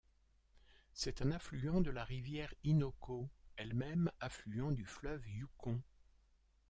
C'est un affluent de la rivière Innoko, elle-même affluent du fleuve Yukon.